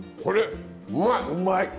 これうまい！